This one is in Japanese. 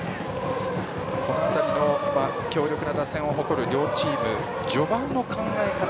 強力な打線を誇る両チーム、序盤の考え方